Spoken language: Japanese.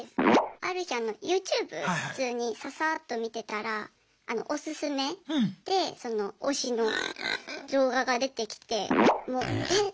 ある日ＹｏｕＴｕｂｅ普通にササーッと見てたらおすすめで推しの動画が出てきてえっ